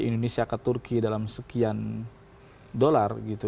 indonesia ke turki dalam sekian dolar gitu